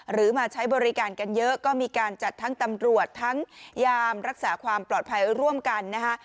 มาใช้บริการกันเยอะก็มีการจัดทั้งตำรวจทั้งยามรักษาความปลอดภัยร่วมกันนะคะ